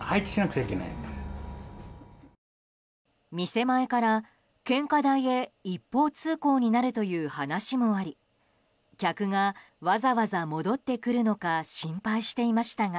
店前から献花台へ一方通行になるという話もあり客がわざわざ戻ってくるのか心配していましたが。